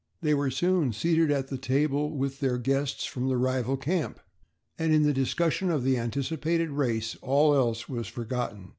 They were soon seated at the table with their guests from the rival camp, and in the discussion of the anticipated race all else was forgotten.